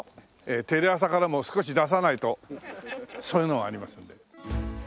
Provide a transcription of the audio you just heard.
テレ朝からも少し出さないとそういうのがありますんで。